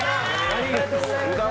ありがとうございます。